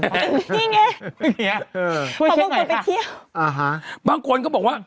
นี่ไงพี่เมมกดไปเที่ยวอ่าฮะช่วยเช็คหน่อยค่ะบางคนก็บอกว่า